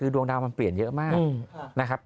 ดวงดาวมันเปลี่ยนเยอะมาก